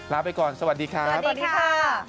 ลาไปก่อนสวัสดีครับสวัสดีค่ะ